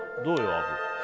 アブ。